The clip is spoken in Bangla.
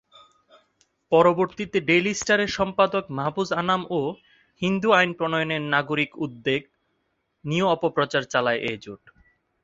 পরবর্তীতে ডেইলি স্টারের সম্পাদক মাহফুজ আনাম ও "হিন্দু আইন প্রণয়নে নাগরিক উদ্যোগ" নিয়েও অপপ্রচার চালায় এই জোট।